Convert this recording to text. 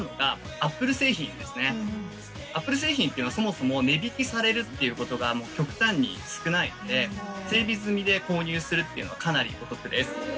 Ａｐｐｌｅ製品っていうのはそもそも値引きされるっていうことが極端に少ないんで整備済みで購入するっていうのはかなりお得です。